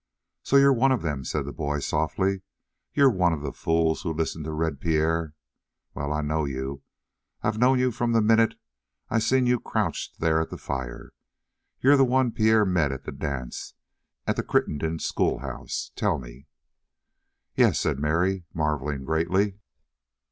"So you're one of them," said the boy softly; "you're one of the fools who listen to Red Pierre. Well, I know you; I've known you from the minute I seen you crouched there at the fire. You're the one Pierre met at the dance at the Crittenden schoolhouse. Tell me!" "Yes," said Mary, marveling greatly.